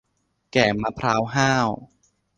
แก่มะพร้าวห้าว